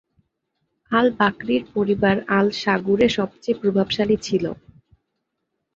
আল-বাকরির পরিবার আল-শাগুরে সবচেয়ে প্রভাবশালী ছিল।